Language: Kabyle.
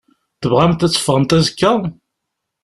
Tebɣamt ad teffɣemt azekka?